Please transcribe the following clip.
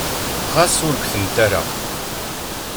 Ɣas ur gtent ara.